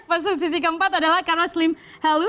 posisi keempat adalah carlos slim helu